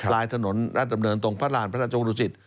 ลายถนนราชดำเนินตรงพระราณพระราชจงดุสิต